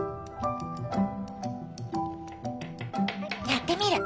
やってみる。